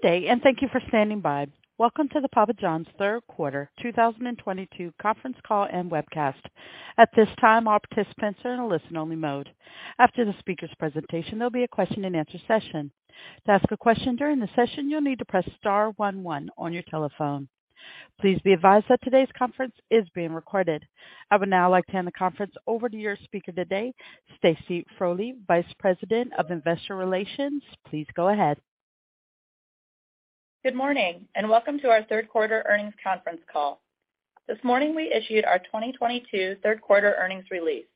Good day, and thank you for standing by. Welcome to the Papa Johns Third Quarter 2022 Conference Call and Webcast. At this time, all participants are in a listen-only mode. After the speaker's presentation, there'll be a question-and-answer session. To ask a question during the session, you'll need to press star one one on your telephone. Please be advised that today's conference is being recorded. I would now like to hand the conference over to your speaker today, Stacy Frole, Vice President of Investor Relations. Please go ahead. Good morning, and welcome to our third quarter earnings conference call. This morning, we issued our 2022 Third Quarter Earnings Release.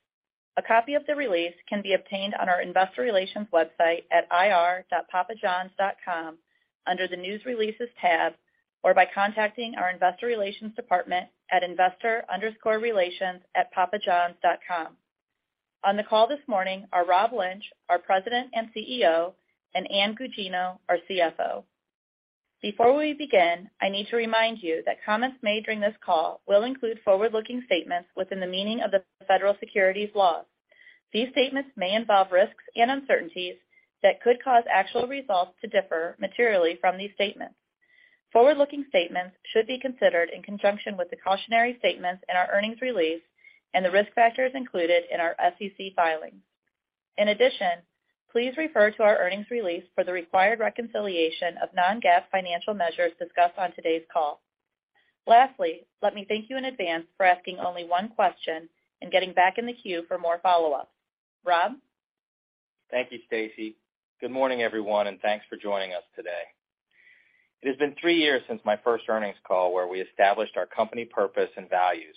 A copy of the release can be obtained on our investor relations website at ir.papajohns.com under the News Releases tab, or by contacting our investor relations department at investor_relations@papajohns.com. On the call this morning are Rob Lynch, our President and CEO, and Ann Gugino, our CFO. Before we begin, I need to remind you that comments made during this call will include forward-looking statements within the meaning of the federal securities laws. These statements may involve risks and uncertainties that could cause actual results to differ materially from these statements. Forward-looking statements should be considered in conjunction with the cautionary statements in our earnings release and the risk factors included in our SEC filings. In addition, please refer to our earnings release for the required reconciliation of non-GAAP financial measures discussed on today's call. Lastly, let me thank you in advance for asking only one question and getting back in the queue for more follow-ups. Rob? Thank you, Stacy. Good morning, everyone, and thanks for joining us today. It has been three years since my first earnings call, where we established our company purpose and values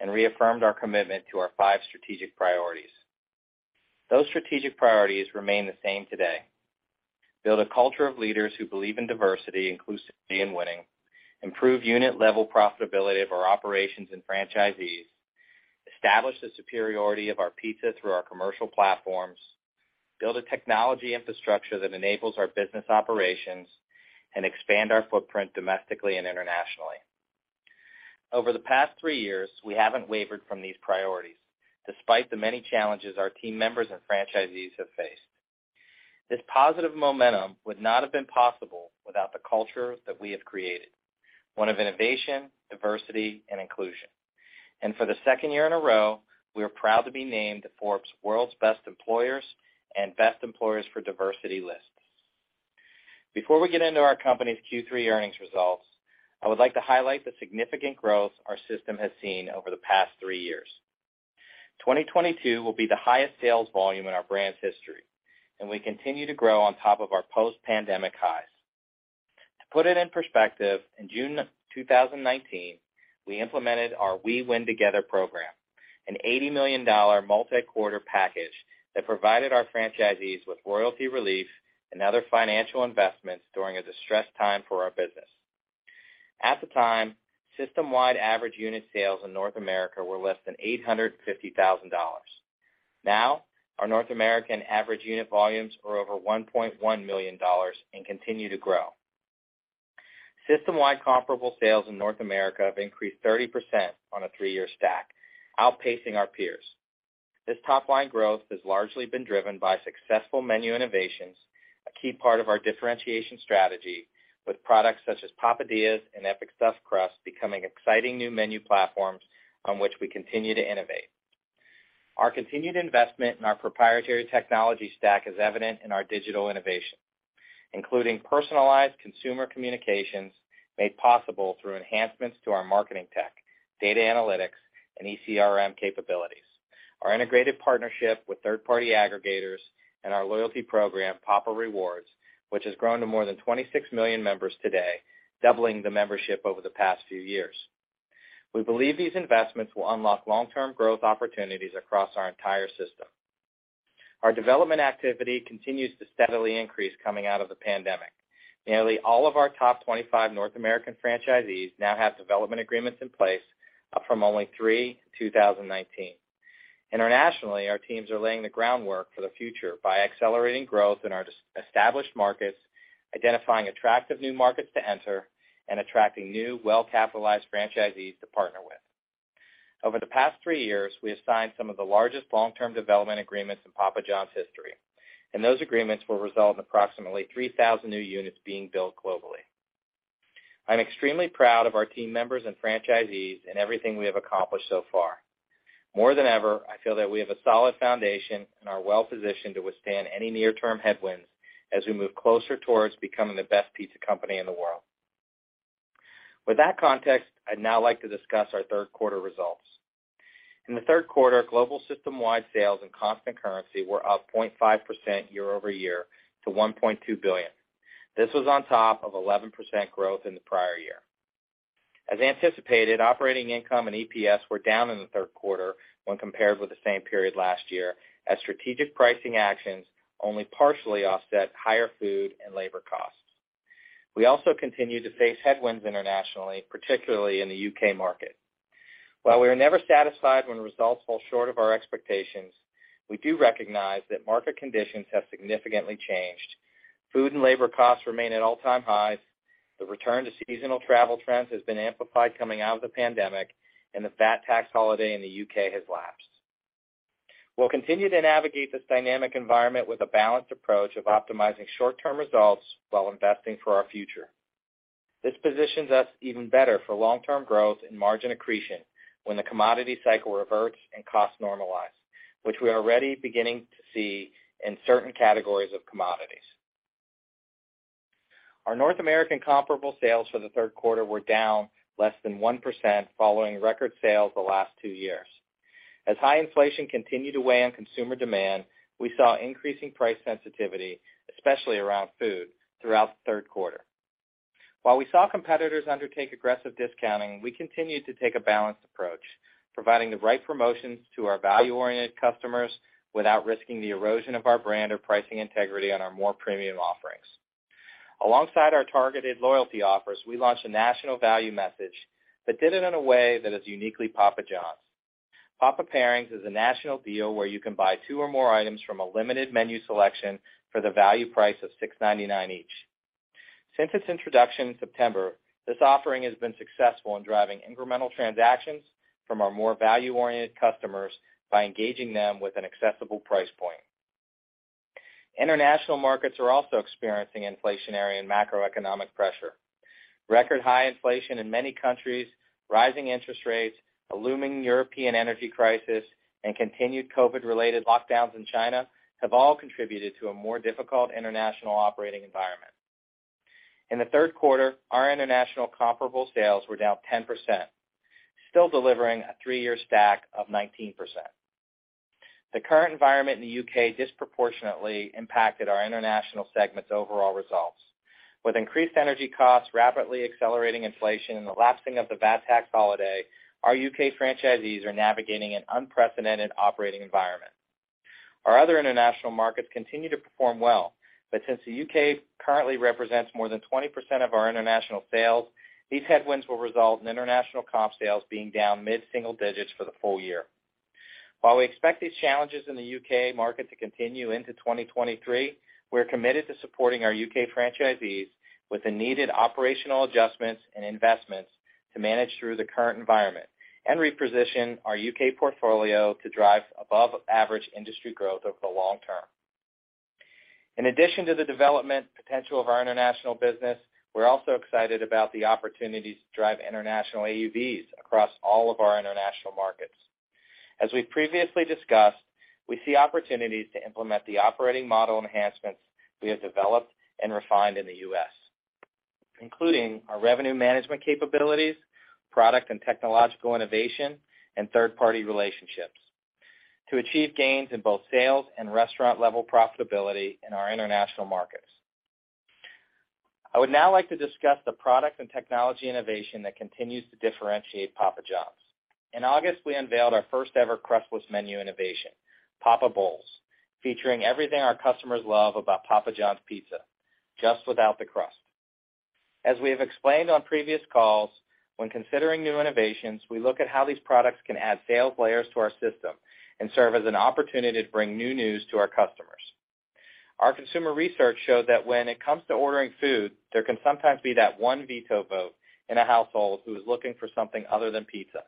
and reaffirmed our commitment to our five strategic priorities. Those strategic priorities remain the same today. Build a culture of leaders who believe in diversity, inclusivity, and winning. Improve unit-level profitability of our operations and franchisees. Establish the superiority of our pizza through our commercial platforms. Build a technology infrastructure that enables our business operations, and expand our footprint domestically and internationally. Over the past three years, we haven't wavered from these priorities, despite the many challenges our team members and franchisees have faced. This positive momentum would not have been possible without the culture that we have created, one of innovation, diversity, and inclusion. For the second year in a row, we are proud to be named the Forbes World's Best Employers and Best Employers for Diversity lists. Before we get into our company's Q3 earnings results, I would like to highlight the significant growth our system has seen over the past three years. 2022 will be the highest sales volume in our brand's history, and we continue to grow on top of our post-pandemic highs. To put it in perspective, in June 2019, we implemented our We Win Together program, an $80 million multi-quarter package that provided our franchisees with royalty relief and other financial investments during a distressed time for our business. At the time, system-wide average unit sales in North America were less than $850,000. Now, our North American average unit volumes are over $1.1 million and continue to grow. System-wide comparable sales in North America have increased 30% on a three-year stack, outpacing our peers. This top-line growth has largely been driven by successful menu innovations, a key part of our differentiation strategy with products such as Papadia and Epic Stuffed Crust becoming exciting new menu platforms on which we continue to innovate. Our continued investment in our proprietary technology stack is evident in our digital innovation, including personalized consumer communications made possible through enhancements to our marketing tech, data analytics, and ECRM capabilities, our integrated partnership with third-party aggregators, and our loyalty program, Papa Rewards, which has grown to more than 26 million members today, doubling the membership over the past few years. We believe these investments will unlock long-term growth opportunities across our entire system. Our development activity continues to steadily increase coming out of the pandemic. Nearly all of our top 25 North American franchisees now have development agreements in place, up from only three in 2019. Internationally, our teams are laying the groundwork for the future by accelerating growth in our established markets, identifying attractive new markets to enter, and attracting new, well-capitalized franchisees to partner with. Over the past three years, we have signed some of the largest long-term development agreements in Papa John's history, and those agreements will result in approximately 3,000 new units being built globally. I'm extremely proud of our team members and franchisees and everything we have accomplished so far. More than ever, I feel that we have a solid foundation and are well positioned to withstand any near-term headwinds as we move closer toward becoming the best pizza company in the world. With that context, I'd now like to discuss our third quarter results. In the third quarter, global system-wide sales and constant currency were up 0.5% year-over-year to $1.2 billion. This was on top of 11% growth in the prior year. As anticipated, operating income and EPS were down in the third quarter when compared with the same period last year, as strategic pricing actions only partially offset higher food and labor costs. We also continue to face headwinds internationally, particularly in the UK market. While we are never satisfied when results fall short of our expectations, we do recognize that market conditions have significantly changed. Food and labor costs remain at all-time highs, the return to seasonal travel trends has been amplified coming out of the pandemic, and the VAT tax holiday in the UK has lapsed. We'll continue to navigate this dynamic environment with a balanced approach of optimizing short-term results while investing for our future. This positions us even better for long-term growth and margin accretion when the commodity cycle reverts and costs normalize, which we are already beginning to see in certain categories of commodities. Our North American comparable sales for the third quarter were down less than 1% following record sales the last two years. As high inflation continued to weigh on consumer demand, we saw increasing price sensitivity, especially around food, throughout the third quarter. While we saw competitors undertake aggressive discounting, we continued to take a balanced approach, providing the right promotions to our value-oriented customers without risking the erosion of our brand or pricing integrity on our more premium offerings. Alongside our targeted loyalty offers, we launched a national value message, but did it in a way that is uniquely Papa Johns. Papa Pairings is a national deal where you can buy two or more items from a limited menu selection for the value price of $6.99 each. Since its introduction in September, this offering has been successful in driving incremental transactions from our more value-oriented customers by engaging them with an accessible price point. International markets are also experiencing inflationary and macroeconomic pressure. Record high inflation in many countries, rising interest rates, a looming European energy crisis, and continued COVID-related lockdowns in China have all contributed to a more difficult international operating environment. In the third quarter, our international comparable sales were down 10%, still delivering a three-year stack of 19%. The current environment in the UK disproportionately impacted our international segment's overall results. With increased energy costs, rapidly accelerating inflation, and the lapsing of the VAT tax holiday, our UK franchisees are navigating an unprecedented operating environment. Our other international markets continue to perform well, but since the UK currently represents more than 20% of our international sales, these headwinds will result in international comp sales being down mid-single digits for the full year. While we expect these challenges in the UK market to continue into 2023, we are committed to supporting our UK franchisees with the needed operational adjustments and investments to manage through the current environment and reposition our UK portfolio to drive above average industry growth over the long term. In addition to the development potential of our international business, we're also excited about the opportunities to drive international AUVs across all of our international markets. As we've previously discussed, we see opportunities to implement the operating model enhancements we have developed and refined in the U.S., including our revenue management capabilities, product and technological innovation, and third-party relationships to achieve gains in both sales and restaurant-level profitability in our international markets. I would now like to discuss the product and technology innovation that continues to differentiate Papa Johns. In August, we unveiled our first ever crustless menu innovation, Papa Bowls, featuring everything our customers love about Papa Johns pizza, just without the crust. As we have explained on previous calls, when considering new innovations, we look at how these products can add sales layers to our system and serve as an opportunity to bring new news to our customers. Our consumer research showed that when it comes to ordering food, there can sometimes be that one veto vote in a household who is looking for something other than pizza.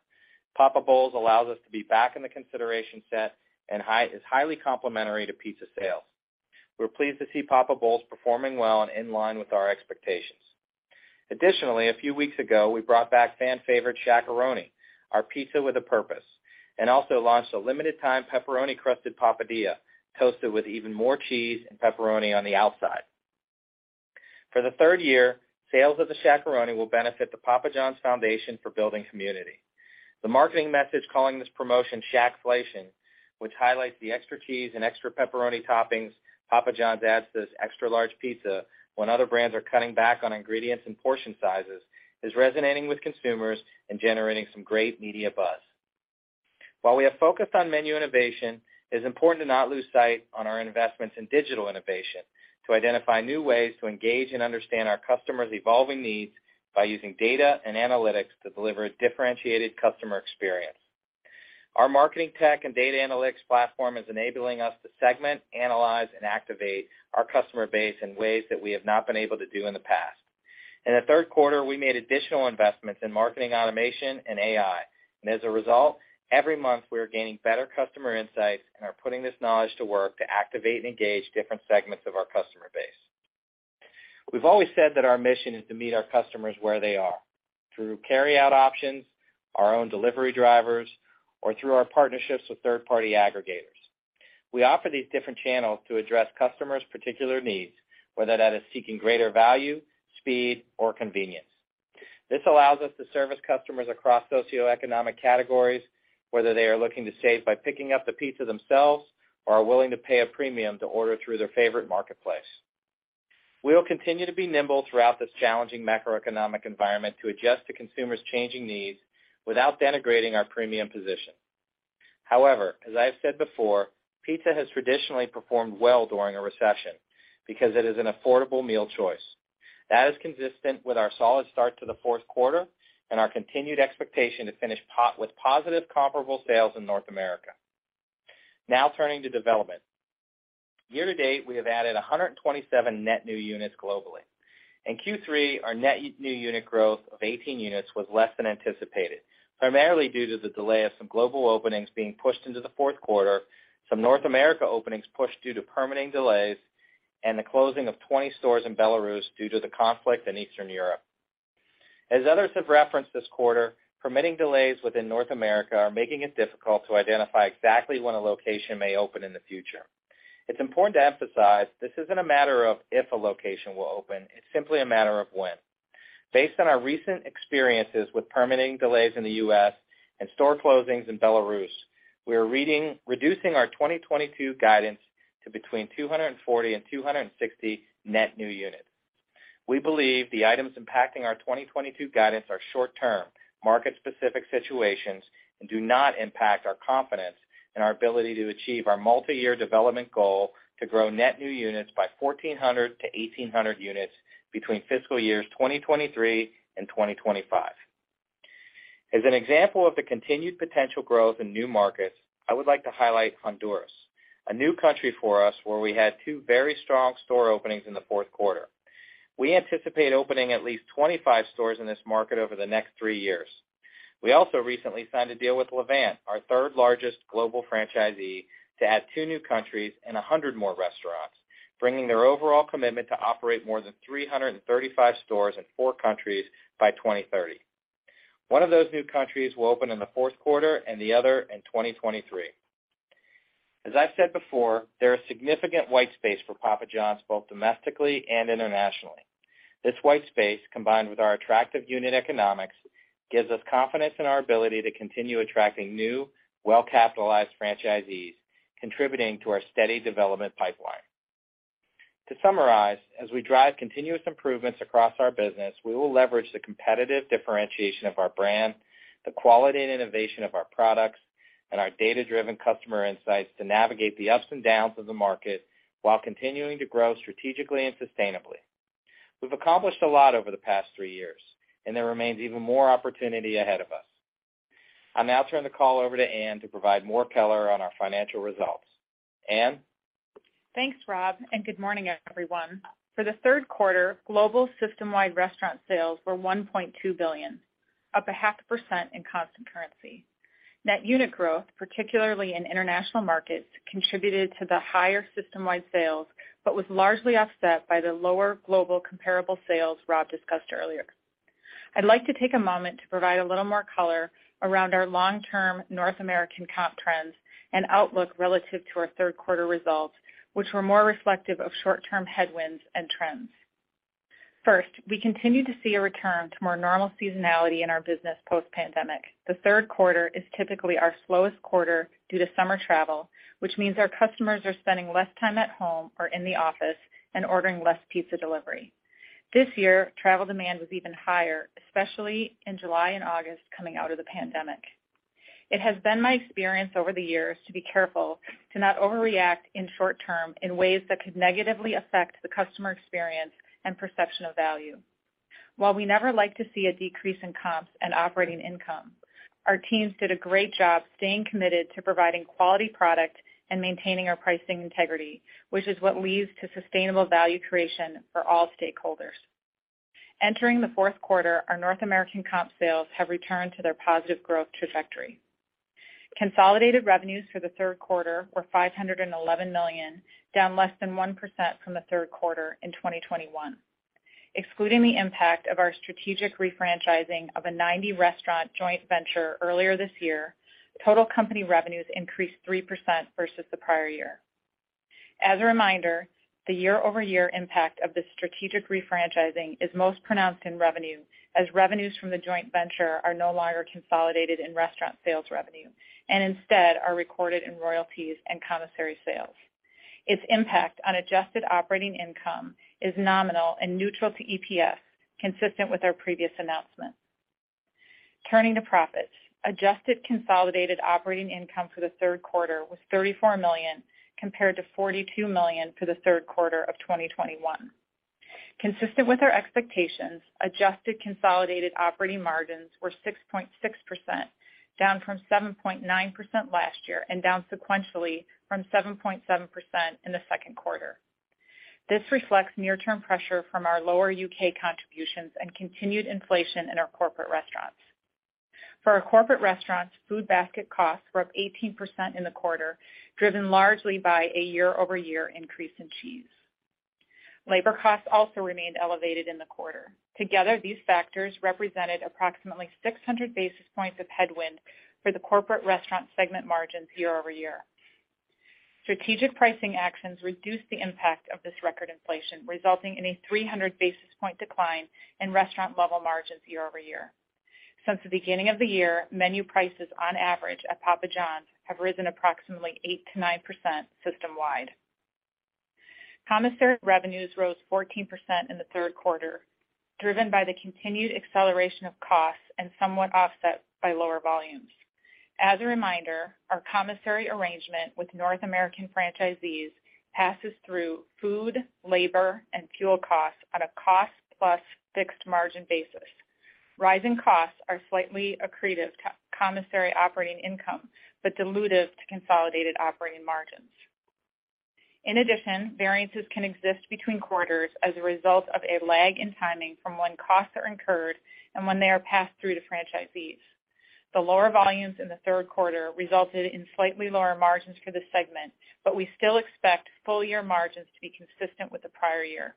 Papa Bowls allows us to be back in the consideration set and is highly complementary to pizza sales. We're pleased to see Papa Bowls performing well and in line with our expectations. Additionally, a few weeks ago, we brought back fan favorite Shaq-a-Roni, our pizza with a purpose, and also launched a limited time pepperoni crusted Papadia, toasted with even more cheese and pepperoni on the outside. For the third year, sales of the Shaq-a-Roni will benefit the Papa Johns Foundation for Building Community. The marketing message calling this promotion Shaq-Flation, which highlights the extra cheese and extra pepperoni toppings Papa Johns adds to this extra-large pizza when other brands are cutting back on ingredients and portion sizes, is resonating with consumers and generating some great media buzz. While we have focused on menu innovation, it is important to not lose sight on our investments in digital innovation to identify new ways to engage and understand our customers' evolving needs by using data and analytics to deliver a differentiated customer experience. Our marketing tech and data analytics platform is enabling us to segment, analyze, and activate our customer base in ways that we have not been able to do in the past. In the third quarter, we made additional investments in marketing automation and AI, and as a result, every month, we are gaining better customer insights and are putting this knowledge to work to activate and engage different segments of our customer base. We've always said that our mission is to meet our customers where they are, through carryout options, our own delivery drivers, or through our partnerships with third-party aggregators. We offer these different channels to address customers' particular needs, whether that is seeking greater value, speed, or convenience. This allows us to service customers across socioeconomic categories, whether they are looking to save by picking up the pizza themselves or are willing to pay a premium to order through their favorite marketplace. We will continue to be nimble throughout this challenging macroeconomic environment to adjust to consumers' changing needs without denigrating our premium position. However, as I have said before, pizza has traditionally performed well during a recession because it is an affordable meal choice. That is consistent with our solid start to the fourth quarter and our continued expectation to finish with positive comparable sales in North America. Now turning to development. Year-to-date, we have added 127 net new units globally. In Q3, our net new unit growth of 18 units was less than anticipated, primarily due to the delay of some global openings being pushed into the fourth quarter, some North America openings pushed due to permitting delays, and the closing of 20 stores in Belarus due to the conflict in Eastern Europe. As others have referenced this quarter, permitting delays within North America are making it difficult to identify exactly when a location may open in the future. It's important to emphasize this isn't a matter of if a location will open, it's simply a matter of when. Based on our recent experiences with permitting delays in the U.S. and store closings in Belarus, we are reducing our 2022 guidance to between 240 and 260 net new units. We believe the items impacting our 2022 guidance are short-term, market-specific situations and do not impact our confidence in our ability to achieve our multi-year development goal to grow net new units by 1,400-1,800 units between fiscal years 2023 and 2025. As an example of the continued potential growth in new markets, I would like to highlight Honduras, a new country for us where we had two very strong store openings in the fourth quarter. We anticipate opening at least 25 stores in this market over the next three years. We also recently signed a deal with Levant Capital, our third largest global franchisee, to add two new countries and 100 more restaurants, bringing their overall commitment to operate more than 335 stores in four countries by 2030. One of those new countries will open in the fourth quarter and the other in 2023. As I've said before, there is significant white space for Papa Johns, both domestically and internationally. This white space, combined with our attractive unit economics, gives us confidence in our ability to continue attracting new, well-capitalized franchisees, contributing to our steady development pipeline. To summarize, as we drive continuous improvements across our business, we will leverage the competitive differentiation of our brand, the quality and innovation of our products, and our data-driven customer insights to navigate the ups and downs of the market while continuing to grow strategically and sustainably. We've accomplished a lot over the past three years, and there remains even more opportunity ahead of us. I'll now turn the call over to Ann to provide more color on our financial results. Ann? Thanks, Rob, and good morning, everyone. For the third quarter, global system-wide restaurant sales were $1.2 billion, up 0.5% in constant currency. Net unit growth, particularly in international markets, contributed to the higher system-wide sales, but was largely offset by the lower global comparable sales Rob discussed earlier. I'd like to take a moment to provide a little more color around our long-term North American comp trends and outlook relative to our third quarter results, which were more reflective of short-term headwinds and trends. First, we continue to see a return to more normal seasonality in our business post-pandemic. The third quarter is typically our slowest quarter due to summer travel, which means our customers are spending less time at home or in the office and ordering less pizza delivery. This year, travel demand was even higher, especially in July and August, coming out of the pandemic. It has been my experience over the years to be careful to not overreact in short term in ways that could negatively affect the customer experience and perception of value. While we never like to see a decrease in comps and operating income, our teams did a great job staying committed to providing quality product and maintaining our pricing integrity, which is what leads to sustainable value creation for all stakeholders. Entering the fourth quarter, our North American comp sales have returned to their positive growth trajectory. Consolidated revenues for the third quarter were $511 million, down less than 1% from the third quarter in 2021. Excluding the impact of our strategic refranchising of a 90 restaurant joint venture earlier this year, total company revenues increased 3% versus the prior year. As a reminder, the year-over-year impact of this strategic refranchising is most pronounced in revenue, as revenues from the joint venture are no longer consolidated in restaurant sales revenue and instead are recorded in royalties and commissary sales. Its impact on adjusted operating income is nominal and neutral to EPS, consistent with our previous announcement. Turning to profits. Adjusted consolidated operating income for the third quarter was $34 million, compared to $42 million for the third quarter of 2021. Consistent with our expectations, adjusted consolidated operating margins were 6.6%, down from 7.9% last year and down sequentially from 7.7% in the second quarter. This reflects near-term pressure from our lower UK contributions and continued inflation in our corporate restaurants. For our corporate restaurants, food basket costs were up 18% in the quarter, driven largely by a year-over-year increase in cheese. Labor costs also remained elevated in the quarter. Together, these factors represented approximately 600 basis points of headwind for the corporate restaurant segment margins year-over-year. Strategic pricing actions reduced the impact of this record inflation, resulting in a 300 basis points decline in restaurant level margins year-over-year. Since the beginning of the year, menu prices on average at Papa Johns have risen approximately 8%-9% system-wide. Commissary revenues rose 14% in the third quarter, driven by the continued acceleration of costs and somewhat offset by lower volumes. As a reminder, our commissary arrangement with North American franchisees passes through food, labor, and fuel costs on a cost plus fixed margin basis. Rising costs are slightly accretive to commissary operating income, but dilutive to consolidated operating margins. In addition, variances can exist between quarters as a result of a lag in timing from when costs are incurred and when they are passed through to franchisees. The lower volumes in the third quarter resulted in slightly lower margins for the segment, but we still expect full year margins to be consistent with the prior year.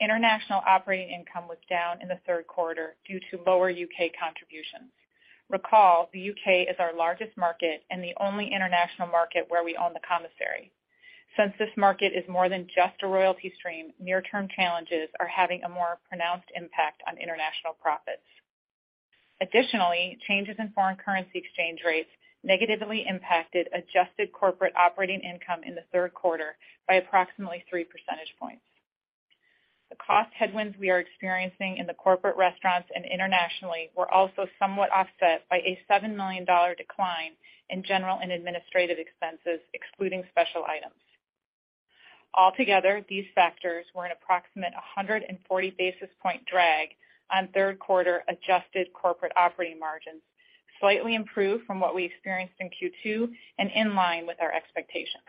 International operating income was down in the third quarter due to lower UK contributions. Recall, the UK is our largest market and the only international market where we own the commissary. Since this market is more than just a royalty stream, near-term challenges are having a more pronounced impact on international profits. Additionally, changes in foreign currency exchange rates negatively impacted adjusted corporate operating income in the third quarter by approximately 3 percentage points. The cost headwinds we are experiencing in the corporate restaurants and internationally were also somewhat offset by a $7 million decline in general and administrative expenses, excluding special items. Altogether, these factors were an approximate 140 basis point drag on third quarter adjusted corporate operating margins, slightly improved from what we experienced in Q2 and in line with our expectations.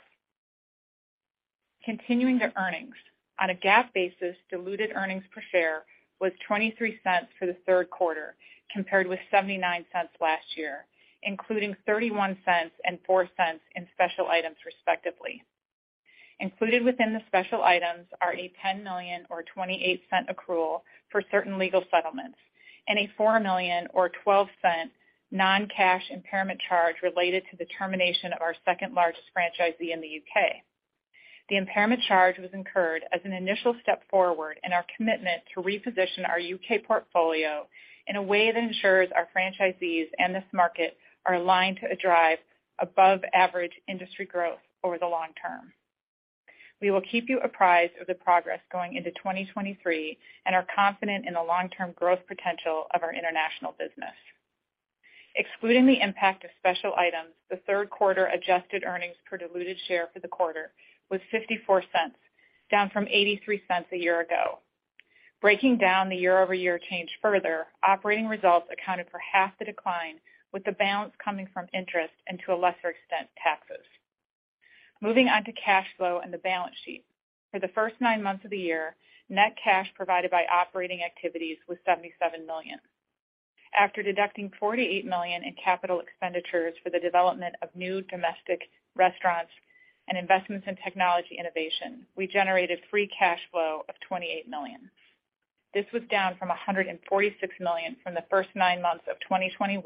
Continuing to earnings. On a GAAP basis, diluted earnings per share was $0.23 for the third quarter, compared with $0.79 last year, including $0.31 and $0.04 in special items respectively. Included within the special items are a $10 million or $0.28 accrual for certain legal settlements and a $4 million or $0.12 non-cash impairment charge related to the termination of our second-largest franchisee in the UK The impairment charge was incurred as an initial step forward in our commitment to reposition our UK portfolio in a way that ensures our franchisees and this market are aligned to drive above average industry growth over the long term. We will keep you apprised of the progress going into 2023 and are confident in the long-term growth potential of our international business. Excluding the impact of special items, the third quarter adjusted earnings per diluted share for the quarter was $0.54, down from $0.83 a year ago. Breaking down the year-over-year change further, operating results accounted for half the decline, with the balance coming from interest and to a lesser extent, taxes. Moving on to cash flow and the balance sheet. For the first nine months of the year, net cash provided by operating activities was $77 million. After deducting $48 million in capital expenditures for the development of new domestic restaurants and investments in technology innovation, we generated free cash flow of $28 million. This was down from $146 million from the first nine months of 2021,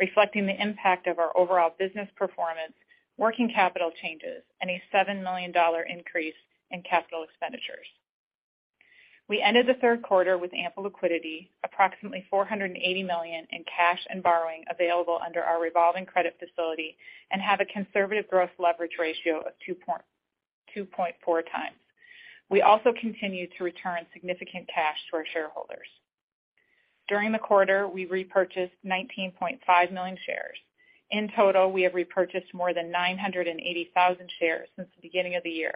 reflecting the impact of our overall business performance, working capital changes, and a $7 million increase in capital expenditures. We ended the third quarter with ample liquidity, approximately $480 million in cash and borrowing available under our revolving credit facility and have a conservative growth leverage ratio of 2.4x. We also continue to return significant cash to our shareholders. During the quarter, we repurchased 19.5 million shares. In total, we have repurchased more than 980,000 shares since the beginning of the year.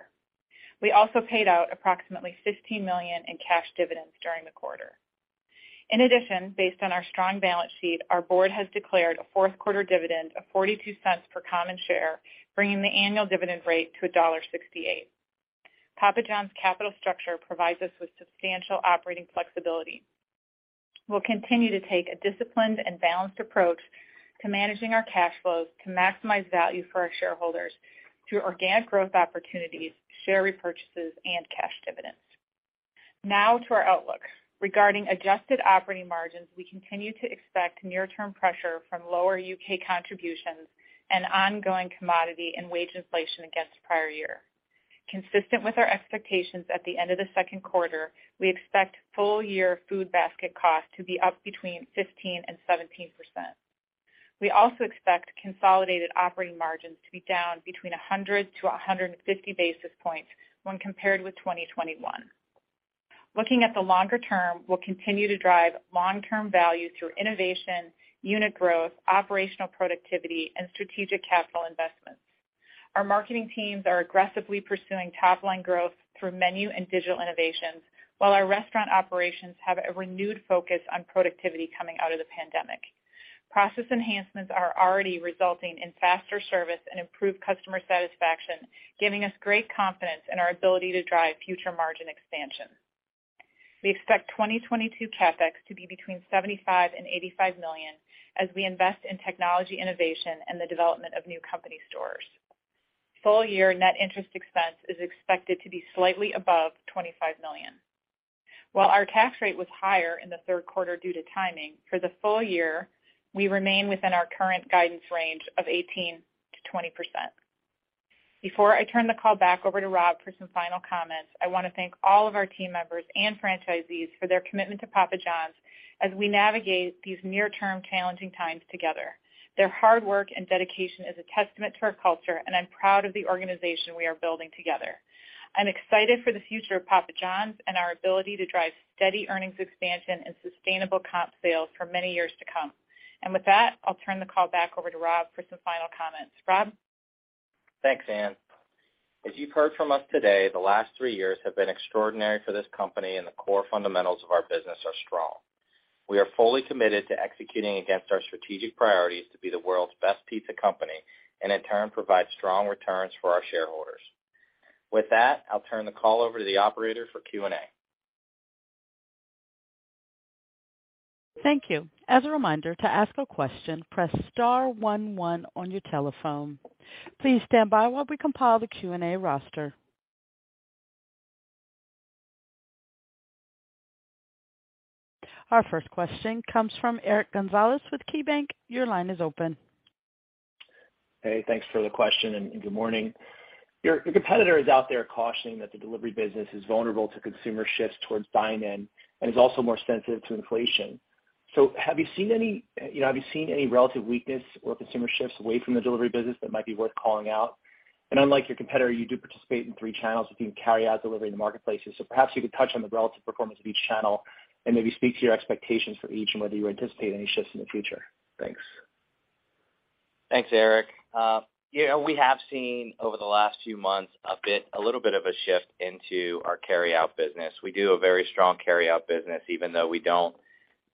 We also paid out approximately $15 million in cash dividends during the quarter. In addition, based on our strong balance sheet, our board has declared a fourth quarter dividend of $0.42 per common share, bringing the annual dividend rate to $1.68. Papa John's capital structure provides us with substantial operating flexibility. We'll continue to take a disciplined and balanced approach to managing our cash flows to maximize value for our shareholders through organic growth opportunities, share repurchases and cash dividends. Now to our outlook. Regarding adjusted operating margins, we continue to expect near-term pressure from lower UK contributions and ongoing commodity and wage inflation against prior year. Consistent with our expectations at the end of the second quarter, we expect full year food basket cost to be up between 15% and 17%. We also expect consolidated operating margins to be down between 100-150 basis points when compared with 2021. Looking at the longer term, we'll continue to drive long-term value through innovation, unit growth, operational productivity and strategic capital investments. Our marketing teams are aggressively pursuing top line growth through menu and digital innovations, while our restaurant operations have a renewed focus on productivity coming out of the pandemic. Process enhancements are already resulting in faster service and improved customer satisfaction, giving us great confidence in our ability to drive future margin expansion. We expect 2022 CapEx to be between $75 million and $85 million as we invest in technology innovation and the development of new company stores. Full year net interest expense is expected to be slightly above $25 million. While our tax rate was higher in the third quarter due to timing, for the full year, we remain within our current guidance range of 18%-20%. Before I turn the call back over to Rob for some final comments, I want to thank all of our team members and franchisees for their commitment to Papa Johns as we navigate these near-term challenging times together. Their hard work and dedication is a testament to our culture, and I'm proud of the organization we are building together. I'm excited for the future of Papa Johns and our ability to drive steady earnings expansion and sustainable comp sales for many years to come. With that, I'll turn the call back over to Rob for some final comments. Rob? Thanks, Ann. As you've heard from us today, the last three years have been extraordinary for this company, and the core fundamentals of our business are strong. We are fully committed to executing against our strategic priorities to be the world's best pizza company, and in turn provide strong returns for our shareholders. With that, I'll turn the call over to the operator for Q&A. Thank you. As a reminder, to ask a question, press star one one on your telephone. Please stand by while we compile the Q&A roster. Our first question comes from Eric Gonzalez with KeyBanc. Your line is open. Hey, thanks for the question and good morning. Your competitor is out there cautioning that the delivery business is vulnerable to consumer shifts towards dine-in and is also more sensitive to inflation. Have you seen any relative weakness or consumer shifts away from the delivery business that might be worth calling out? Unlike your competitor, you do participate in three channels between carryout, delivery, and the marketplaces. Perhaps you could touch on the relative performance of each channel and maybe speak to your expectations for each and whether you anticipate any shifts in the future. Thanks. Thanks, Eric. You know, we have seen over the last few months a bit, a little bit of a shift into our carry out business. We do a very strong carry out business even though we don't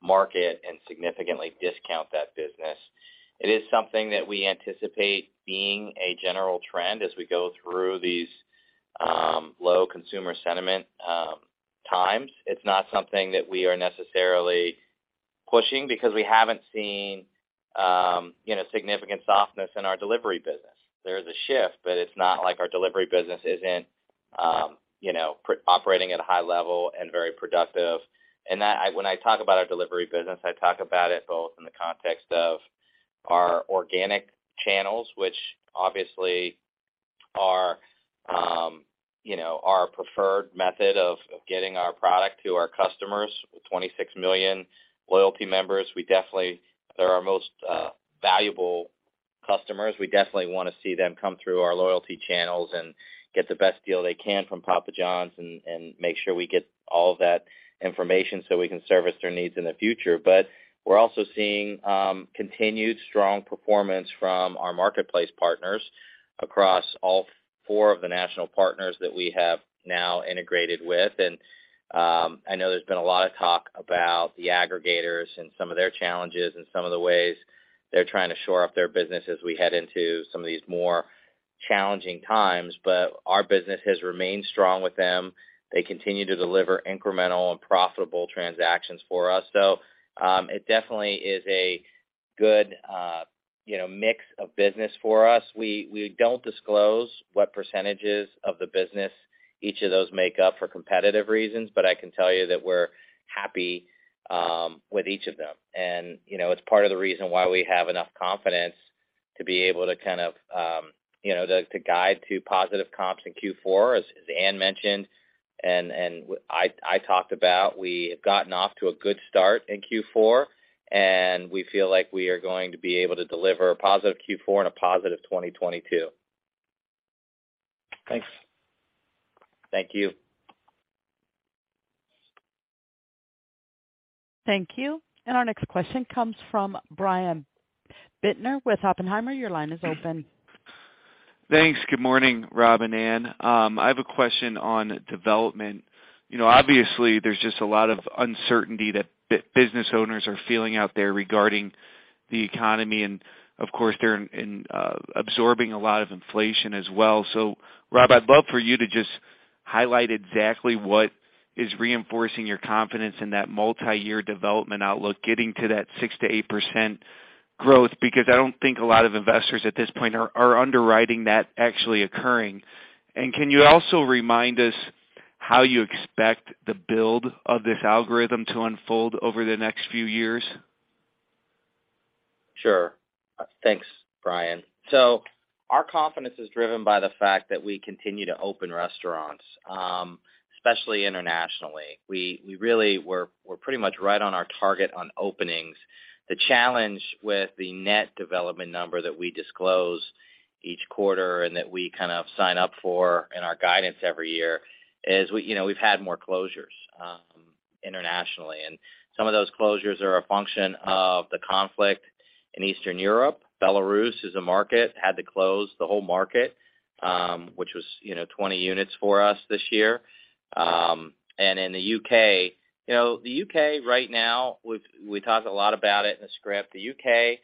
market and significantly discount that business. It is something that we anticipate being a general trend as we go through these low consumer sentiment times. It's not something that we are necessarily pushing because we haven't seen you know, significant softness in our delivery business. There is a shift, but it's not like our delivery business isn't you know, operating at a high level and very productive. When I talk about our delivery business, I talk about it both in the context of our organic channels, which obviously are you know, our preferred method of getting our product to our customers. With 26 million loyalty members, we definitely. They're our most valuable customers. We definitely wanna see them come through our loyalty channels and get the best deal they can from Papa Johns and make sure we get all of that information so we can service their needs in the future. We're also seeing continued strong performance from our marketplace partners across all four of the national partners that we have now integrated with. I know there's been a lot of talk about the aggregators and some of their challenges and some of the ways they're trying to shore up their business as we head into some of these more challenging times, but our business has remained strong with them. They continue to deliver incremental and profitable transactions for us. It definitely is a good, you know, mix of business for us. We don't disclose what percentages of the business each of those make up for competitive reasons, but I can tell you that we're happy with each of them. You know, it's part of the reason why we have enough confidence to be able to kind of, you know, to guide to positive comps in Q4, as Ann mentioned and I talked about. We have gotten off to a good start in Q4, and we feel like we are going to be able to deliver a positive Q4 and a positive 2022. Thanks. Thank you. Thank you. Our next question comes from Brian Bittner with Oppenheimer. Your line is open. Thanks. Good morning, Rob and Ann. I have a question on development. You know, obviously there's just a lot of uncertainty that business owners are feeling out there regarding the economy, and of course, they're absorbing a lot of inflation as well. Rob, I'd love for you to just highlight exactly what is reinforcing your confidence in that multiyear development outlook, getting to that 6%-8% growth, because I don't think a lot of investors at this point are underwriting that actually occurring. Can you also remind us how you expect the build of this algorithm to unfold over the next few years? Sure. Thanks, Brian. Our confidence is driven by the fact that we continue to open restaurants, especially internationally. We are pretty much right on our target on openings. The challenge with the net development number that we disclose each quarter and that we kind of sign up for in our guidance every year is, you know, we have had more closures, internationally, and some of those closures are a function of the conflict in Eastern Europe. Belarus is a market, had to close the whole market, which was, you know, 20 units for us this year. And in the UK- you know, the UK right now, we have talked a lot about it in the script. The UK,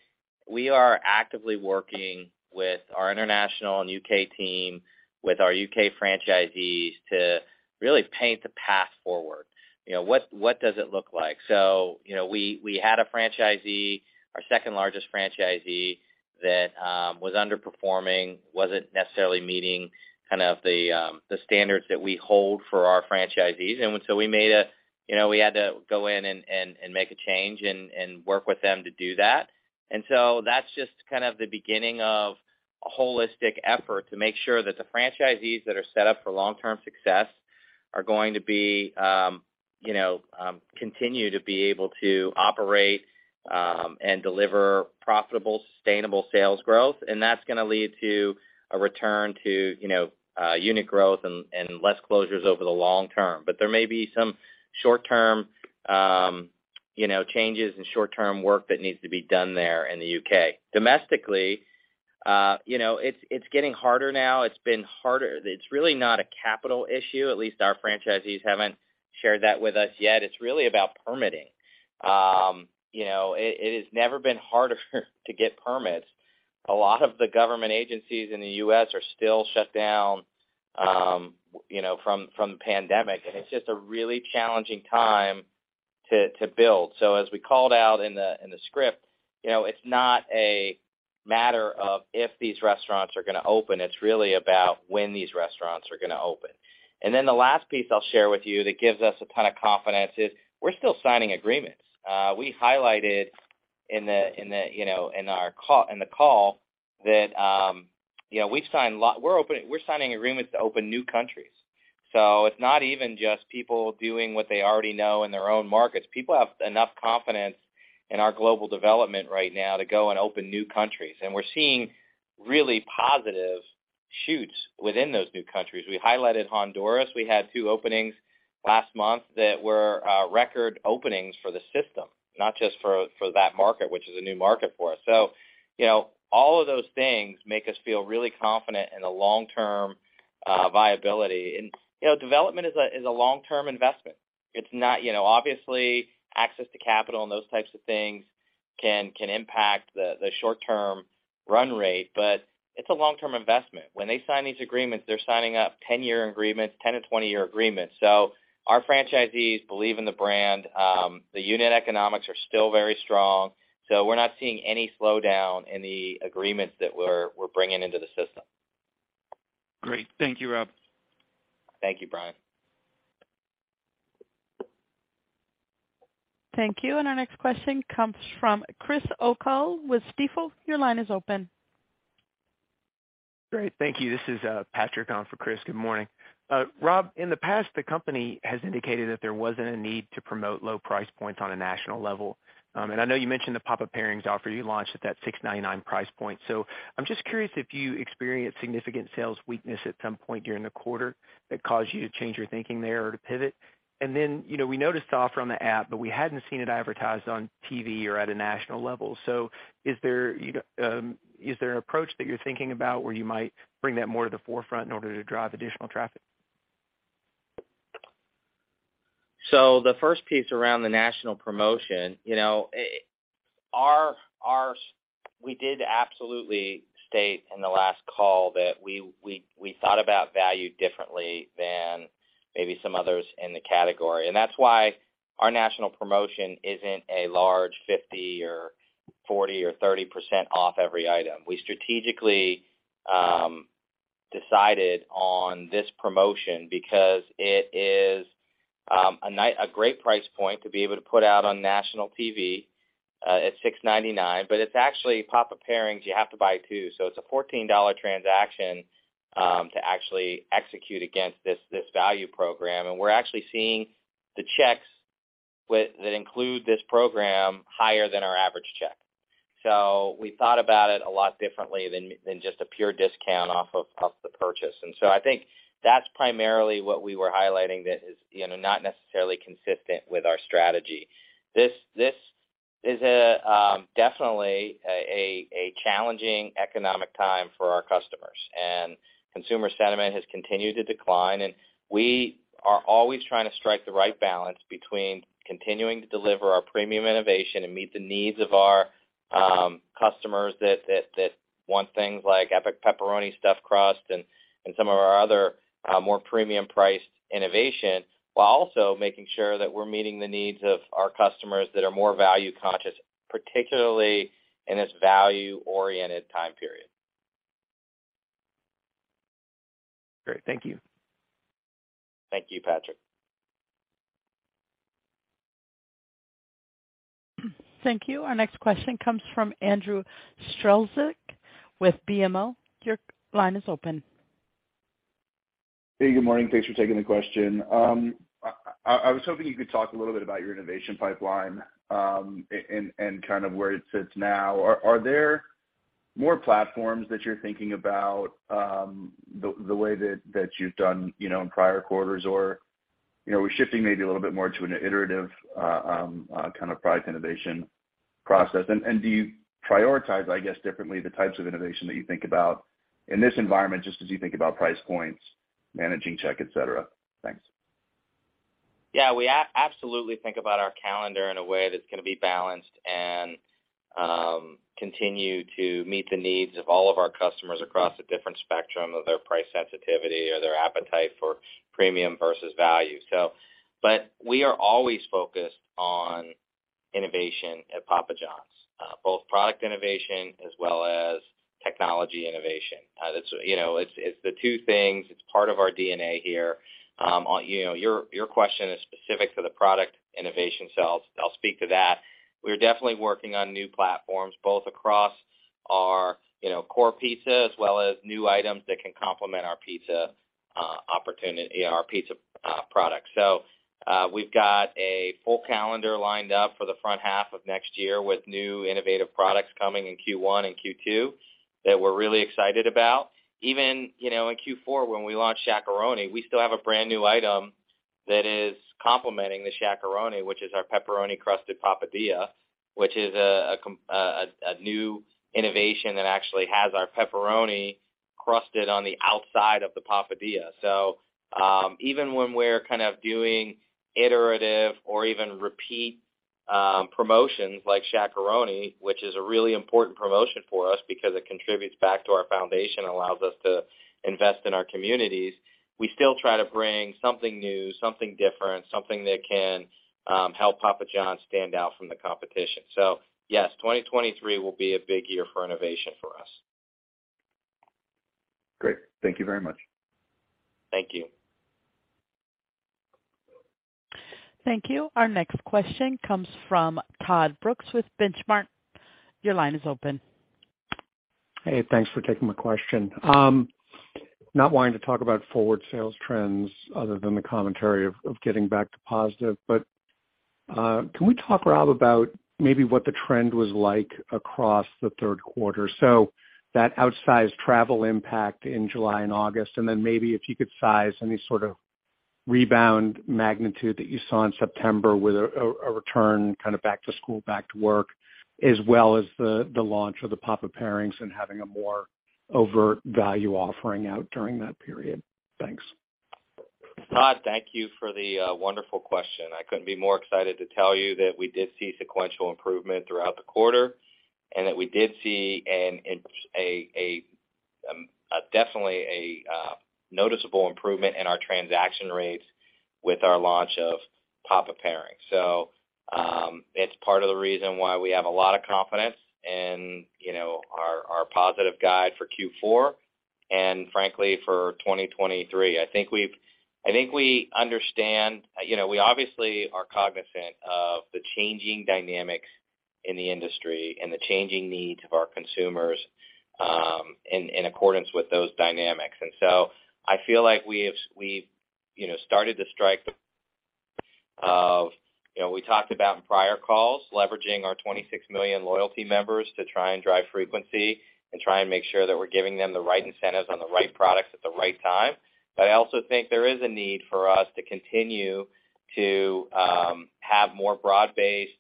we are actively working with our international and UK team, with our UK franchisees to really paint the path forward. You know, what does it look like? You know, we had a franchisee, our second-largest franchisee that was underperforming, wasn't necessarily meeting kind of the standards that we hold for our franchisees. We had to go in and make a change and work with them to do that. That's just kind of the beginning of a holistic effort to make sure that the franchisees that are set up for long-term success are going to be, you know, continue to be able to operate and deliver profitable, sustainable sales growth. That's gonna lead to a return to, you know, unit growth and less closures over the long term. There may be some short-term, you know, changes in short-term work that needs to be done there in the UK. Domestically, you know, it's getting harder now. It's been harder. It's really not a capital issue. At least our franchisees haven't shared that with us yet. It's really about permitting. You know, it has never been harder to get permits. A lot of the government agencies in the US are still shut down, you know, from the pandemic, and it's just a really challenging time to build. As we called out in the script, you know, it's not a matter of if these restaurants are gonna open, it's really about when these restaurants are gonna open. Then the last piece I'll share with you that gives us a ton of confidence is we're still signing agreements. We highlighted in our call that we're signing agreements to open new countries. It's not even just people doing what they already know in their own markets. People have enough confidence in our global development right now to go and open new countries. We're seeing really positive shoots within those new countries. We highlighted Honduras. We had two openings last month that were record openings for the system, not just for that market, which is a new market for us. You know, all of those things make us feel really confident in the long-term viability. You know, development is a long-term investment. It's not, you know, obviously, access to capital and those types of things can impact the short-term run rate, but it's a long-term investment. When they sign these agreements, they're signing up 10-year agreements, 10 to 20-year agreements. Our franchisees believe in the brand. The unit economics are still very strong, so we're not seeing any slowdown in the agreements that we're bringing into the system. Great. Thank you, Rob. Thank you, Brian. Thank you. Our next question comes from Chris O'Cull with Stifel. Your line is open. Great. Thank you. This is Patrick on for Chris. Good morning. Rob, in the past, the company has indicated that there wasn't a need to promote low price points on a national level. I know you mentioned the Papa Pairings offer you launched at that $6.99 price point. I'm just curious if you experienced significant sales weakness at some point during the quarter that caused you to change your thinking there or to pivot. You know, we noticed the offer on the app, but we hadn't seen it advertised on TV or at a national level. Is there, you know, an approach that you're thinking about where you might bring that more to the forefront in order to drive additional traffic? The first piece around the national promotion, you know, we did absolutely state in the last call that we thought about value differently than maybe some others in the category, and that's why our national promotion isn't a large 50% or 40% or 30% off every item. We strategically decided on this promotion because it is a great price point to be able to put out on national TV at $6.99. It's actually Papa Pairings, you have to buy two. It's a $14 transaction to actually execute against this value program. We're actually seeing the checks that include this program higher than our average check. We thought about it a lot differently than just a pure discount off the purchase. I think that's primarily what we were highlighting that is, you know, not necessarily consistent with our strategy. This is definitely a challenging economic time for our customers, and consumer sentiment has continued to decline, and we are always trying to strike the right balance between continuing to deliver our premium innovation and meet the needs of our customers that want things like Epic Pepperoni-Stuffed Crust and some of our other more premium priced innovation, while also making sure that we're meeting the needs of our customers that are more value conscious, particularly in this value-oriented time period. Great. Thank you. Thank you, Patrick. Thank you. Our next question comes from Andrew Strelzik with BMO. Your line is open. Hey, good morning. Thanks for taking the question. I was hoping you could talk a little bit about your innovation pipeline, and kind of where it sits now. Are there more platforms that you're thinking about, the way that you've done, you know, in prior quarters? Or, you know, we're shifting maybe a little bit more to an iterative kind of product innovation process. Do you prioritize, I guess, differently the types of innovation that you think about in this environment just as you think about price points, managing check, et cetera? Thanks. Yeah. We absolutely think about our calendar in a way that's gonna be balanced and continue to meet the needs of all of our customers across a different spectrum of their price sensitivity or their appetite for premium versus value. We are always focused on innovation at Papa Johns, both product innovation as well as technology innovation. That's, you know, it's the two things. It's part of our DNA here. You know, your question is specific to the product innovation, so I'll speak to that. We're definitely working on new platforms both across our, you know, core pizza as well as new items that can complement our pizza opportunity or our pizza products. We've got a full calendar lined up for the front half of next year with new innovative products coming in Q1 and Q2 that we're really excited about. Even, you know, in Q4, when we launched Shaq-a-Roni, we still have a brand-new item that is complementing the Shaq-a-Roni, which is our pepperoni crusted Papadia, which is a new innovation that actually has our pepperoni crusted on the outside of the Papadia. Even when we're kind of doing iterative or even repeat promotions like Shaq-a-Roni, which is a really important promotion for us because it contributes back to our foundation and allows us to invest in our communities, we still try to bring something new, something different, something that can help Papa Johns stand out from the competition. Yes, 2023 will be a big year for innovation for us. Great. Thank you very much. Thank you. Thank you. Our next question comes from Todd Brooks with Benchmark. Your line is open. Hey, thanks for taking my question. Not wanting to talk about forward sales trends other than the commentary of getting back to positive, but can we talk, Rob, about maybe what the trend was like across the third quarter? That outsized travel impact in July and August, and then maybe if you could size any sort of rebound magnitude that you saw in September with a return kind of back to school, back to work, as well as the launch of the Papa Pairings and having a more overt value offering out during that period. Thanks. Todd, thank you for the wonderful question. I couldn't be more excited to tell you that we did see sequential improvement throughout the quarter and that we did see a definitely noticeable improvement in our transaction rates with our launch of Papa Pairings. It's part of the reason why we have a lot of confidence in, you know, our positive guide for Q4 and frankly for 2023. I think we understand, you know, we obviously are cognizant of the changing dynamics in the industry and the changing needs of our consumers, in accordance with those dynamics. I feel like we've, you know, started to strike, you know, we talked about in prior calls, leveraging our 26 million loyalty members to try and drive frequency and try and make sure that we're giving them the right incentives on the right products at the right time. I also think there is a need for us to continue to have more broad-based,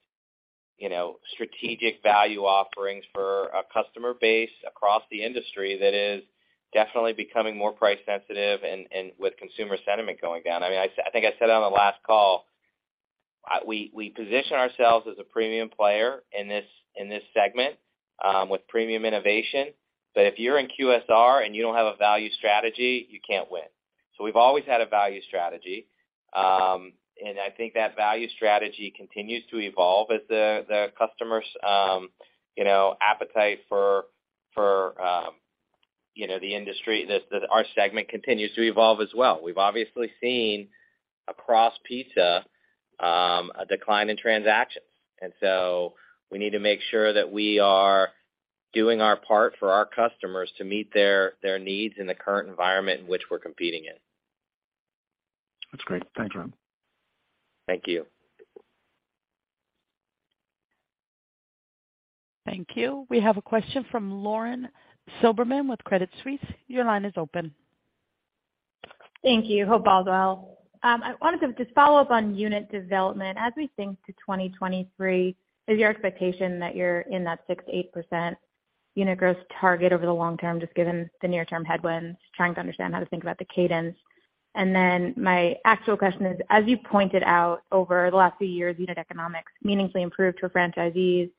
you know, strategic value offerings for a customer base across the industry that is definitely becoming more price sensitive and with consumer sentiment going down. I mean, I think I said it on the last call, we position ourselves as a premium player in this segment with premium innovation. If you're in QSR and you don't have a value strategy, you can't win. We've always had a value strategy, and I think that value strategy continues to evolve as the customers' you know, appetite for you know, the industry that our segment continues to evolve as well. We've obviously seen across pizza a decline in transactions, and so we need to make sure that we are doing our part for our customers to meet their needs in the current environment in which we're competing in. That's great. Thanks, Rob. Thank you. Thank you. We have a question from Lauren Silberman with Credit Suisse. Your line is open. Thank you. Hope all is well. I wanted to just follow up on unit development. As we think to 2023, is your expectation that you're in that 6%-8% unit growth target over the long term, just given the near-term headwinds? Trying to understand how to think about the cadence. Then my actual question is, as you pointed out over the last few years, unit economics meaningfully improved for franchisees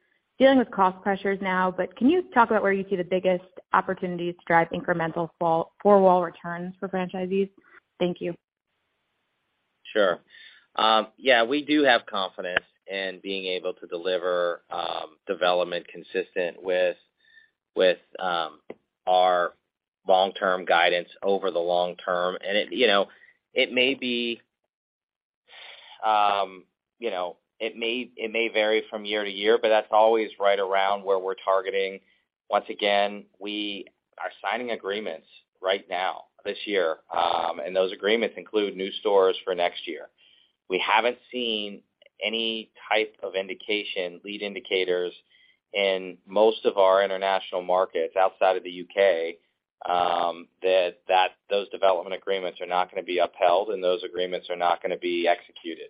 dealing with cost pressures now, but can you talk about where you see the biggest opportunities to drive incremental four-wall returns for franchisees? Thank you. Sure. Yeah, we do have confidence in being able to deliver development consistent with our long-term guidance over the long term. It, you know, may be, you know, it may vary from year to year, but that's always right around where we're targeting. Once again, we are signing agreements right now this year, and those agreements include new stores for next year. We haven't seen any type of indication, lead indicators in most of our international markets outside of the UK, that those development agreements are not gonna be upheld and those agreements are not gonna be executed.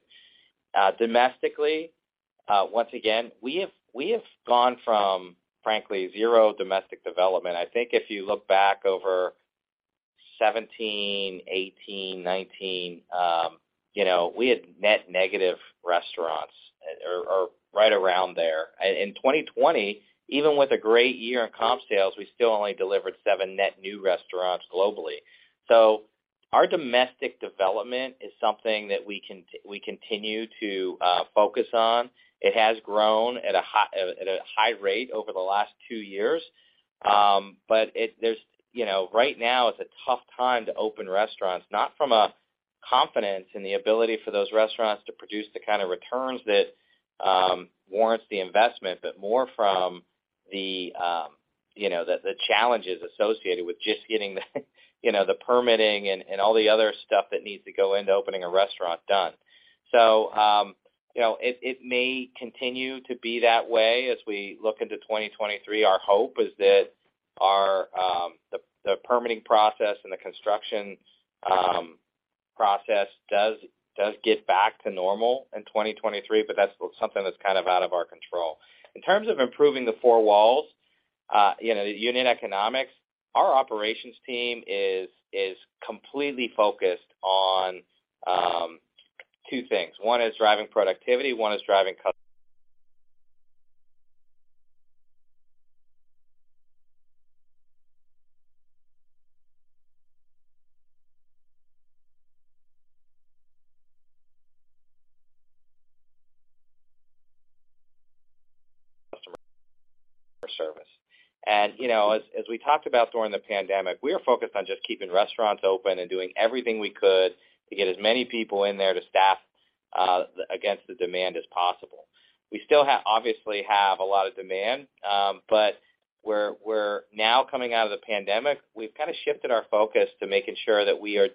Domestically, once again, we have gone from, frankly, zero domestic development. I think if you look back over 2017, 2018, 2019, you know, we had net negative restaurants or right around there. In 2020, even with a great year in comp sales, we still only delivered seven net new restaurants globally. Our domestic development is something that we continue to focus on. It has grown at a high rate over the last two years. There's, you know, right now it's a tough time to open restaurants, not from a confidence in the ability for those restaurants to produce the kind of returns that warrants the investment, but more from the, you know, the challenges associated with just getting the you know, the permitting and all the other stuff that needs to go into opening a restaurant done. You know, it may continue to be that way as we look into 2023. Our hope is that the permitting process and the construction process does get back to normal in 2023, but that's something that's kind of out of our control. In terms of improving the four walls, you know, the unit economics, our operations team is completely focused on two things. One is driving productivity, one is driving customer service. You know, as we talked about during the pandemic, we are focused on just keeping restaurants open and doing everything we could to get as many people in there to staff against the demand as possible. We still obviously have a lot of demand, but we're now coming out of the pandemic. We've kind of shifted our focus to making sure that we are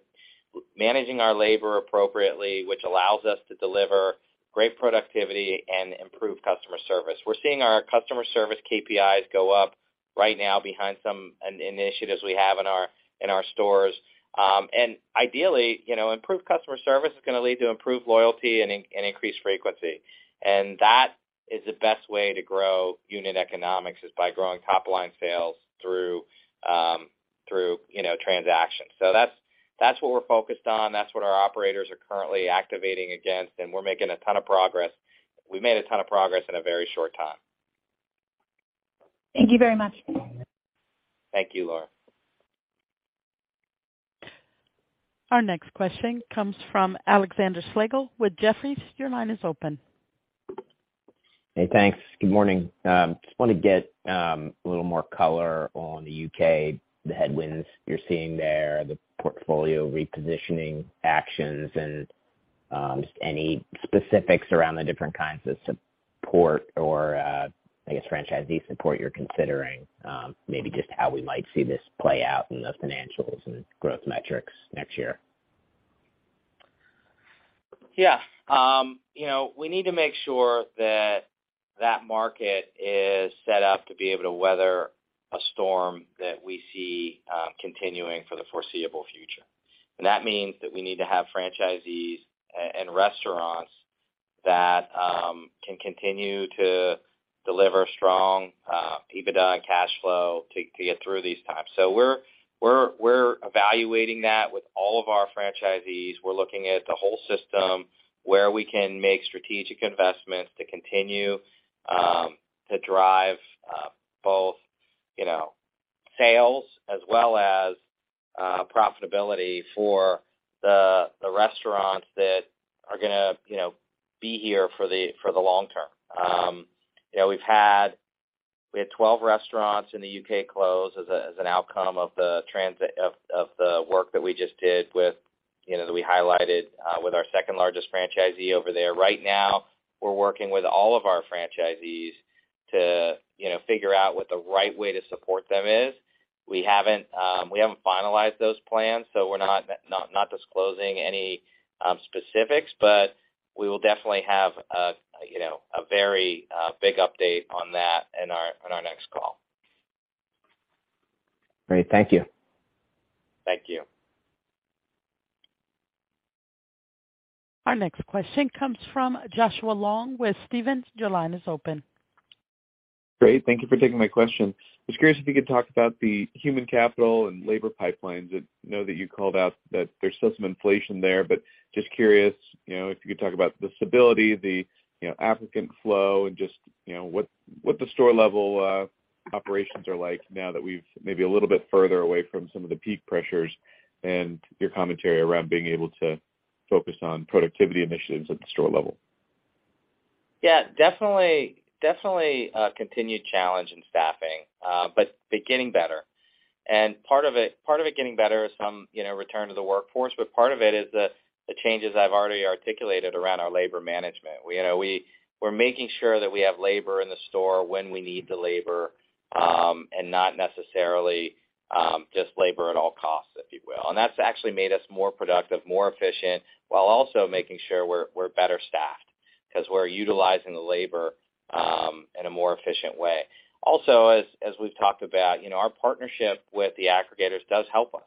managing our labor appropriately, which allows us to deliver great productivity and improve customer service. We're seeing our customer service KPIs go up right now behind some initiatives we have in our stores. Ideally, you know, improved customer service is gonna lead to improved loyalty and increased frequency. That is the best way to grow unit economics, is by growing top-line sales through, you know, transactions. That's what we're focused on. That's what our operators are currently activating against, and we're making a ton of progress. We made a ton of progress in a very short time. Thank you very much. Thank you, Lauren. Our next question comes from Alexander Slagle with Jefferies. Your line is open. Hey, thanks. Good morning. Just wanna get a little more color on the UK, the headwinds you're seeing there, the portfolio repositioning actions, and just any specifics around the different kinds of support or, I guess, franchisee support you're considering, maybe just how we might see this play out in the financials and growth metrics next year? Yeah. You know, we need to make sure that that market is set up to be able to weather a storm that we see continuing for the foreseeable future. That means that we need to have franchisees and restaurants that can continue to deliver strong EBITDA and cash flow to get through these times. We're evaluating that with all of our franchisees. We're looking at the whole system where we can make strategic investments to continue to drive both, you know, sales as well as profitability for the restaurants that are gonna, you know, be here for the long term. You know, we had 12 restaurants in the UK close as an outcome of the work that we just did with, you know, that we highlighted with our second-largest franchisee over there. Right now, we're working with all of our franchisees to, you know, figure out what the right way to support them is. We haven't finalized those plans, so we're not disclosing any specifics. We will definitely have a, you know, a very big update on that in our next call. Great. Thank you. Thank you. Our next question comes from Joshua Long with Stephens. Your line is open. Great. Thank you for taking my question. I was curious if you could talk about the human capital and labor pipelines. I know that you called out that there's still some inflation there, but just curious, you know, if you could talk about the stability, you know, applicant flow and just, you know, what the store level operations are like now that we've maybe a little bit further away from some of the peak pressures and your commentary around being able to focus on productivity initiatives at the store level. Yeah, definitely a continued challenge in staffing, but getting better. Part of it getting better is from, you know, return to the workforce, but part of it is the changes I've already articulated around our labor management. You know, we're making sure that we have labor in the store when we need the labor, and not necessarily just labor at all costs, if you will. That's actually made us more productive, more efficient, while also making sure we're better staffed because we're utilizing the labor in a more efficient way. As we've talked about, you know, our partnership with the aggregators does help us.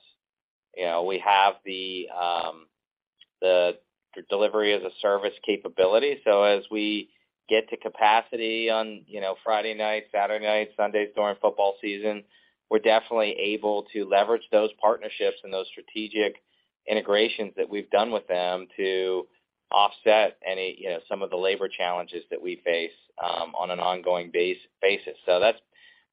You know, we have the delivery as a service capability. As we get to capacity on Friday nights, Saturday nights, Sundays during football season, we're definitely able to leverage those partnerships and those strategic integrations that we've done with them to offset any some of the labor challenges that we face on an ongoing basis.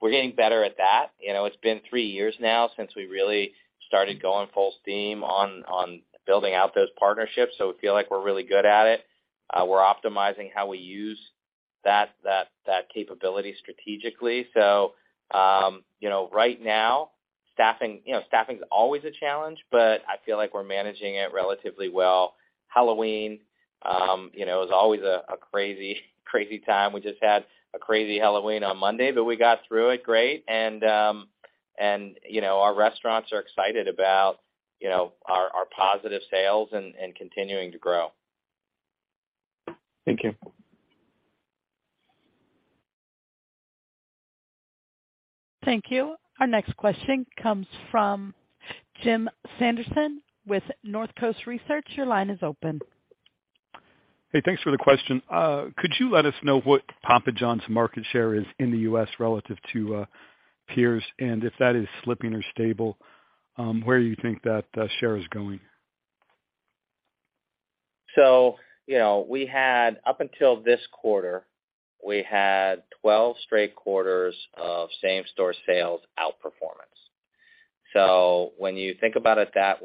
We're getting better at that. It's been three years now since we really started going full steam on building out those partnerships, so we feel like we're really good at it. We're optimizing how we use that capability strategically. Right now staffing's always a challenge, but I feel like we're managing it relatively well. Halloween is always a crazy time. We just had a crazy Halloween on Monday, but we got through it great and, you know, our restaurants are excited about, you know, our positive sales and continuing to grow. Thank you. Thank you. Our next question comes from Jim Sanderson with Northcoast Research. Your line is open. Hey, thanks for the question. Could you let us know what Papa Johns market share is in the U.S. relative to peers, and if that is slipping or stable, where you think that share is going? You know, we had up until this quarter, we had 12 straight quarters of same-store sales outperformance. When you think about it that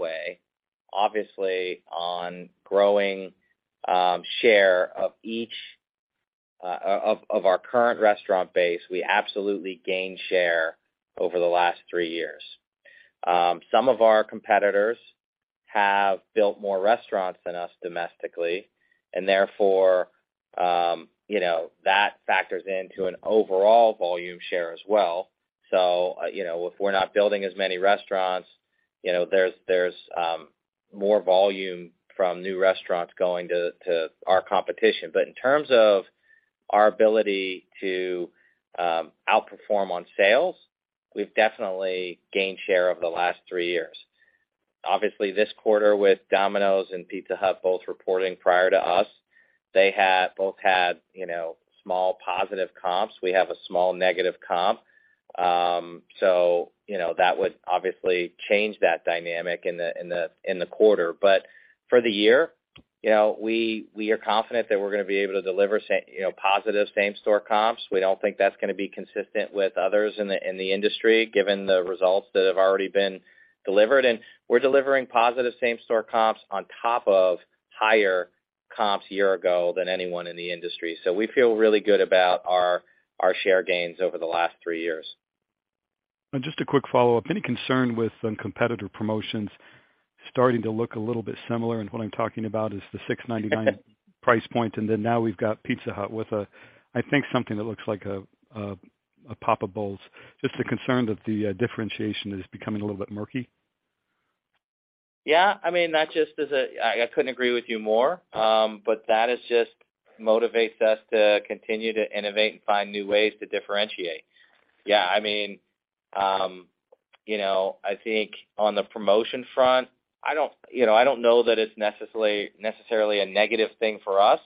way, obviously on growing share of each of our current restaurant base, we absolutely gained share over the last three years. Some of our competitors have built more restaurants than us domestically, and therefore, you know, that factors into an overall volume share as well. You know, if we're not building as many restaurants, you know, there's more volume from new restaurants going to our competition. But in terms of our ability to outperform on sales, we've definitely gained share over the last three years. Obviously, this quarter, with Domino's and Pizza Hut both reporting prior to us, they have both had, you know, small positive comps. We have a small negative comp. You know, that would obviously change that dynamic in the quarter. For the year, you know, we are confident that we're gonna be able to deliver positive same-store comps. We don't think that's gonna be consistent with others in the industry, given the results that have already been delivered. We're delivering positive same-store comps on top of higher comps year ago than anyone in the industry. We feel really good about our share gains over the last three years. Just a quick follow-up. Any concern with some competitor promotions starting to look a little bit similar? What I'm talking about is the $6.99 price point, and then now we've got Pizza Hut with I think something that looks like a Papa Bowls. Just the concern that the differentiation is becoming a little bit murky. Yeah. I mean, I couldn't agree with you more. That just motivates us to continue to innovate and find new ways to differentiate. Yeah. I mean, you know, I think on the promotion front, you know, I don't know that it's necessarily a negative thing for us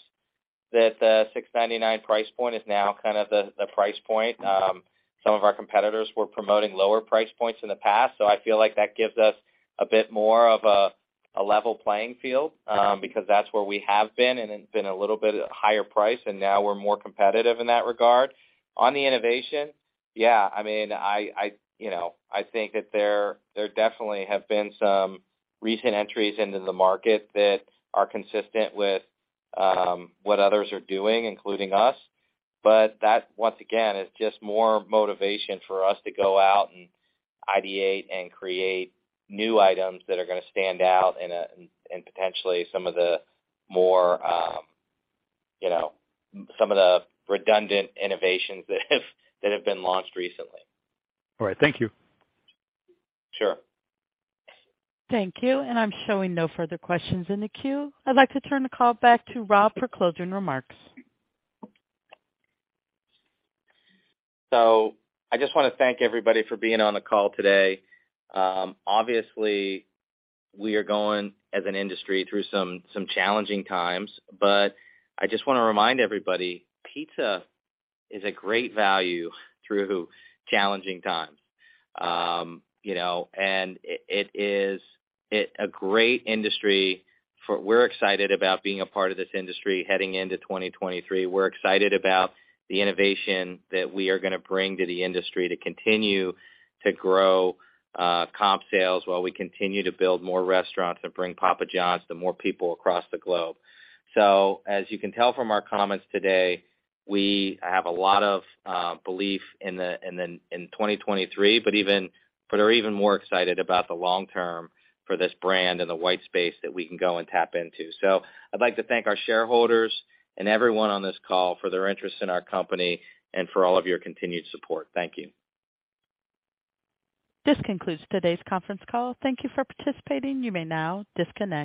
that the $6.99 price point is now kind of the price point. Some of our competitors were promoting lower price points in the past, so I feel like that gives us a bit more of a level playing field, because that's where we have been, and it's been a little bit higher price, and now we're more competitive in that regard. On the innovation, yeah, I mean, I you know, I think that there definitely have been some recent entries into the market that are consistent with what others are doing, including us. That, once again, is just more motivation for us to go out and ideate and create new items that are gonna stand out in potentially some of the more you know, some of the redundant innovations that have been launched recently. All right. Thank you. Sure. Thank you. I'm showing no further questions in the queue. I'd like to turn the call back to Rob for closing remarks. I just wanna thank everybody for being on the call today. Obviously, we are going, as an industry, through some challenging times, but I just wanna remind everybody, pizza is a great value through challenging times. We're excited about being a part of this industry heading into 2023. We're excited about the innovation that we are gonna bring to the industry to continue to grow comp sales while we continue to build more restaurants and bring Papa Johns to more people across the globe. As you can tell from our comments today, we have a lot of belief in 2023, but are even more excited about the long term for this brand and the white space that we can go and tap into. I'd like to thank our shareholders and everyone on this call for their interest in our company and for all of your continued support. Thank you. This concludes today's conference call. Thank you for participating. You may now disconnect.